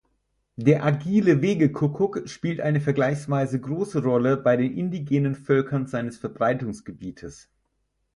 Der agile Wegekuckuck spielt eine vergleichsweise große Rolle bei den indigenen Völkern seines Verbreitungsgebietes.